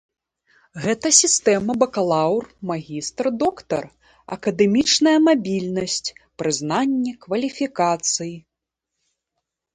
Гэта сістэма бакалаўр-магістр-доктар, акадэмічная мабільнасць, прызнанне кваліфікацыі.